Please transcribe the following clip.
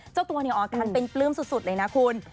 เจ้าตัวออกกันเป็นปลื้มสุดเลยนะคุณ